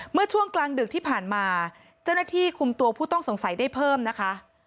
เมื่อช่วงกลางดึกที่ผ่านมาเจ้าหน้าที่คุมตัวผู้ต้องสงสัยได้เพิ่มนะคะ